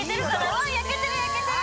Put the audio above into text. お焼けてる焼けてる。